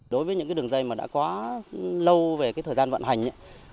đối với những đường dây đã quá lâu về thời gian vận hành